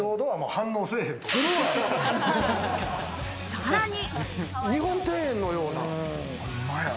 さらに。